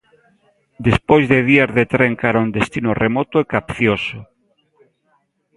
Despois de días de tren cara un destino remoto e capcioso.